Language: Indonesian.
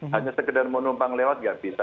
hanya sekedar mau numpang lewat nggak bisa